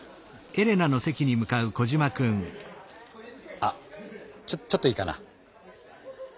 あちょちょっといいかな？